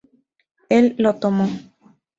Él lo tomó.